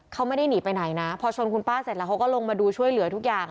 เขาไม่ได้หนีไปไหนนะพอชนคุณป้าเสร็จแล้วเขาก็ลงมาดูช่วยเหลือทุกอย่าง